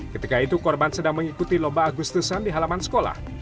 ketika itu korban sedang mengikuti lomba agustusan di halaman sekolah